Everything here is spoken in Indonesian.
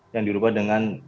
yang dilupa dengan